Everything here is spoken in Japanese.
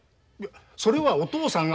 それはお父さんが。